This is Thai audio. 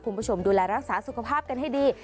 คุณผู้ชมดูแลรักษาสุขภาพกันให้ดี